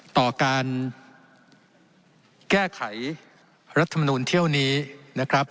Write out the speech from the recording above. ต่อการแก้ไขรัฐมนูลเที่ยวนี้นะครับ